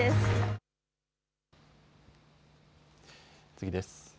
次です。